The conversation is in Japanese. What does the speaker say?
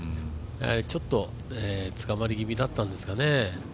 ちょっと捕まり気味だったんですがね。